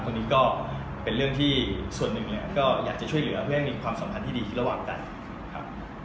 คนนี้ก็เป็นเรื่องที่ส่วนหนึ่งเนี่ยก็อยากจะช่วยเหลือเพื่อให้มีความสัมพันธ์ที่ดีที่ระหว่างกันครับ